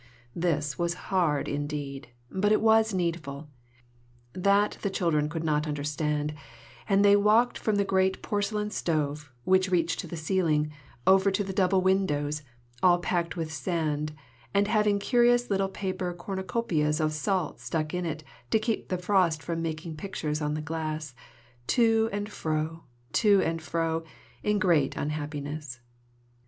This was hard indeed, but it was needful: that the children could not understand, and they walked from the great porcelain stove, which reached to the ceiling, over to the double windows, all packed with sand, and having curious little paper cornucopias of salt stuck in it to keep the frost from making pictures on the glass, to and fro, to and fro, in great unhappiness.